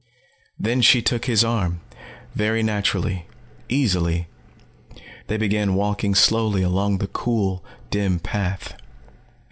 Then she took his arm, very naturally, easily. They began walking slowly along the cool, dim path.